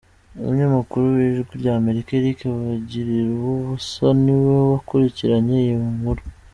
Umunyamakuru w’Ijwi ry’Amerika Eric Bagiruwubusa ni we wakurikiranye iyi nkuru.